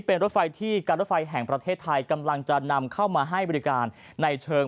เป็นรถไฟที่การรถไฟแห่งประเทศไทยกำลังจะนำเข้ามาให้บริการในเชิง